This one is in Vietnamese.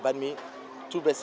hai thứ tốt nhất